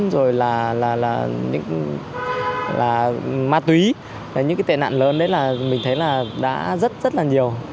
rồi là ma túy những tệ nạn lớn đấy là mình thấy là đã rất rất là nhiều